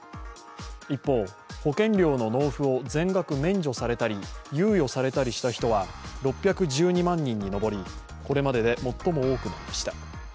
一方、保険料の納付を全額免除されたり猶予されたりした人は６１２万人に上りこれまでで最も多くなりました。